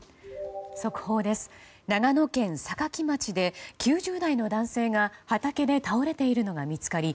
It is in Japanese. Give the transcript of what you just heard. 長野県坂城町で９０代の男性が畑で倒れているのが見つかり